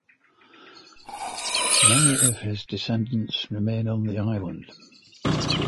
Many of his descendants remain on the island.